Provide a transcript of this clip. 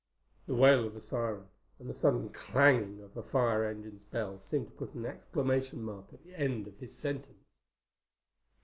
The wail of a siren and the sudden clanging of the fire engine's bell seemed to put an exclamation mark at the end of his sentence.